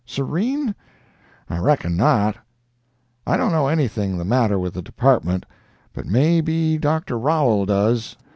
Serene?—I reckon not. I don't know anything the matter with the Department, but maybe Dr. Rowell does.